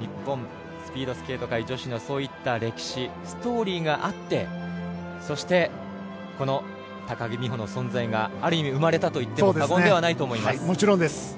日本スピードスケート界女子のそういった歴史ストーリーがあってそして高木美帆の存在がある意味、生まれたといっても過言ではないと思います。